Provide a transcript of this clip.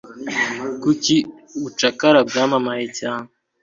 Kuki ubucakara bwamamaye cyane